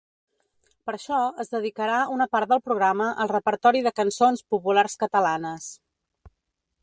Per això es dedicarà una part del programa al repertori de cançons populars catalanes.